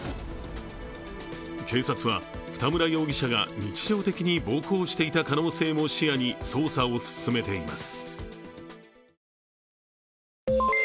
警察は二村容疑者が日常的に暴行していた可能性も視野に捜査を進めています。